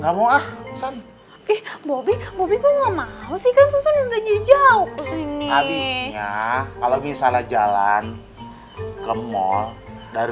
gak mau ah ih bobby bobby gua mau sih kan susun dan jauh ke sini kalau misalnya jalan ke mal dari